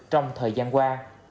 trong thời gian qua